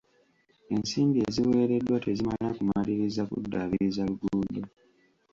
Ensimbi eziweereddwa tezimala kumaliriza kuddaabiriza luguudo.